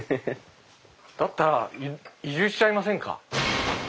だったら移住しちゃいませんか？